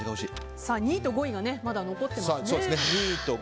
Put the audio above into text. ２位と５位がまだ残ってますね。